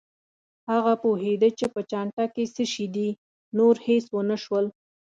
هغه پوهېده چې په چانټه کې څه شي دي، نور هېڅ ونه شول.